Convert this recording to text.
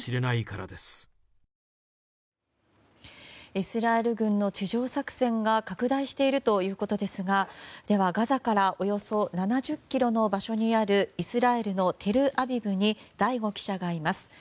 イスラエル軍の地上作戦が拡大しているということですがではガザからおよそ７０ｋｍの場所にあるイスラエルのテルアビブに醍醐記者がいます。